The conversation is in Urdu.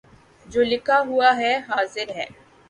جو لکھا ہوا ہے حاضر ہے